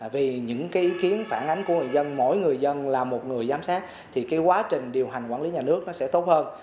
vì những cái ý kiến phản ánh của người dân mỗi người dân là một người giám sát thì quá trình điều hành quản lý nhà nước nó sẽ tốt hơn